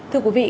thưa quý vị